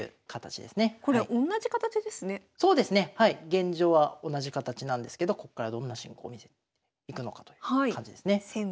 現状は同じ形なんですけどここからどんな進行を見せていくのかという感じですね。